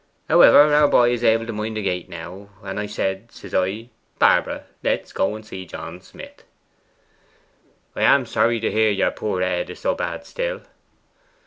However, our boy is able to mind the gate now, and I said, says I, "Barbara, let's call and see John Smith."' 'I am sorry to hear yer pore head is so bad still.